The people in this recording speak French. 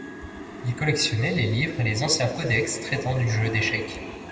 Il collectionnait les livres et les anciens codex traitant du jeu d'échecs.